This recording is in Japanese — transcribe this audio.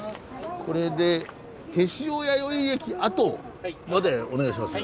これで天塩弥生駅跡までお願いします。